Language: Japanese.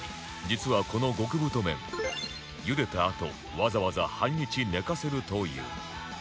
実はこの極太麺ゆでたあとわざわざ半日寝かせるという